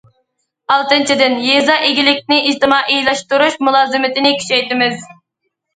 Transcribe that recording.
ئالتىنچىدىن، يېزا ئىگىلىكىنى ئىجتىمائىيلاشتۇرۇش مۇلازىمىتىنى كۈچەيتىمىز.